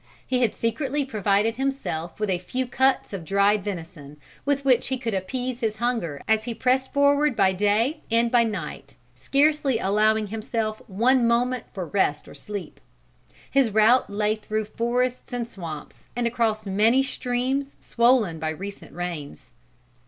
He had secretly provided himself with a few cuts of dried venison with which he could appease his hunger as he pressed forward by day and by night, scarcely allowing himself one moment for rest or sleep. His route lay through forests and swamps, and across many streams swollen by recent rains.